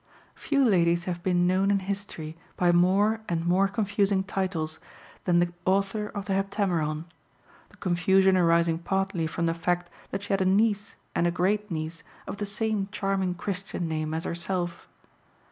Few ladies have been known in history by more and more confusing titles than the author of the Heptameron, the confusion arising partly from the fact that she had a niece and a great niece of the same charming Christian name as herself.